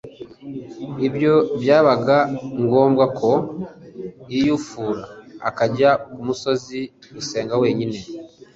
Iyo byabaga ngombwa ko yiyufura, akajya ku musozi gusenga wenyine,